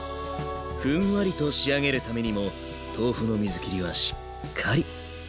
ふんわりと仕上げるためにも豆腐の水切りはしっかり。